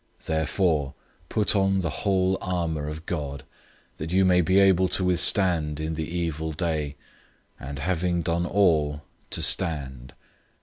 006:013 Therefore, put on the whole armor of God, that you may be able to withstand in the evil day, and, having done all, to stand.